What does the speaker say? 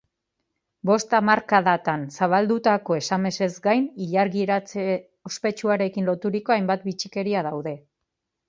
Bost hamarkadatan zabaldutako esamesez gain, ilargiratze ospetsuarekin loturiko hainbat bitxikeria daude.